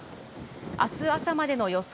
あす朝までの予想